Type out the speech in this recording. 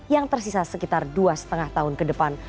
yang tersisa sekitar dua lima tahun ke depan